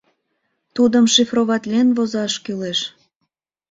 Тудым шифроватлен возаш кӱлеш.